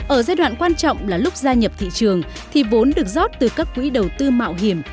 ở giai đoạn quan trọng là lúc gia nhập thị trường thì vốn được rót từ các quỹ đầu tư mạo hiểm